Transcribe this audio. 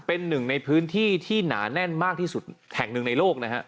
เป็นหนึ่งในพื้นที่ที่หนาแน่นมากที่สุดแห่งหนึ่งในโลกนะฮะ